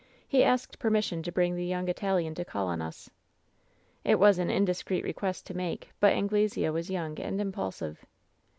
He asked permission to bring the young Italian to call on us. "It was an indiscreet request to make ; but Anglesea was young and impulsive.